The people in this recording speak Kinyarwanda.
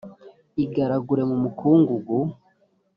igaragure mu mukungugu